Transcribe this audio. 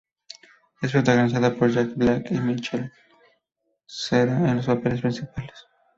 Es protagonizada por Jack Black y Michael Cera en los papeles principales.